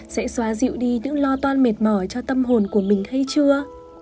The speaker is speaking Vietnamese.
sẽ xóa dịu đi những lo toan mệt mỏi cho tâm hồn của mình hay chưa